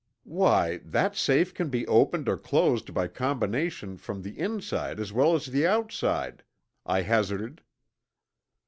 "Why, that safe can be opened or closed by combination from the inside as well as the outside," I hazarded.